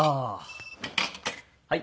はい。